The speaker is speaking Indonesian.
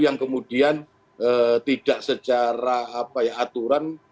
yang kemudian tidak secara aturan